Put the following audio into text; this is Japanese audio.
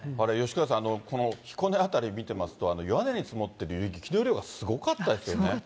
吉川さん、この彦根辺り見てみますと、屋根に積もってる雪の量がすごかったですよね。